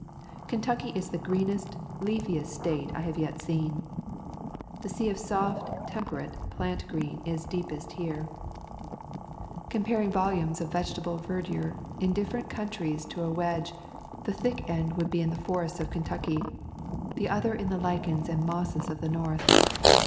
Kentucky is the greenest, leafiest State I have yet seen. The sea of soft temperate plant green is deepest here. [ 14 ] Kentucky Forests and Caves " Comparing volumes of vegetable verdure in different countries to a wedge, the thick end would be in the forests of Kentucky, the other in the lichens and mosses of the North.